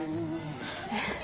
えっ？